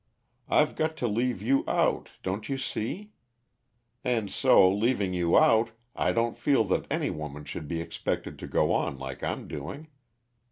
I've got to leave you out, don't you see? And so, leaving you out, I don't feel that any woman should be expected to go on like I'm doing.